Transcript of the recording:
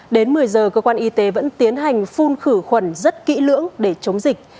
đến một mươi giờ cơ quan y tế vẫn tiến hành phun khử khuẩn rất kỹ lưỡng để chống dịch